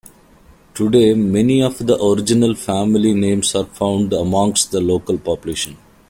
Today many of the original family names are found amongst the local population.